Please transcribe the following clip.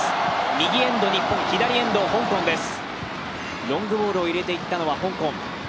右エンドは日本、左エンド、香港です。